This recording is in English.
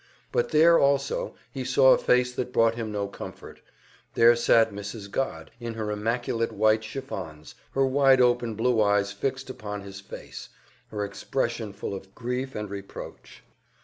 But there also he saw a face that brought him no comfort; there sat Mrs. Godd, in her immaculate white chiffons, her wide open blue eyes fixed upon his face, her expression full of grief and reproach.